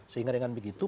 sehingga dengan begitu